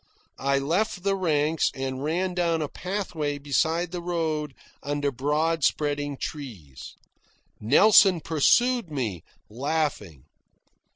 I left the ranks and ran down a pathway beside the road under broad spreading trees. Nelson pursued me, laughing.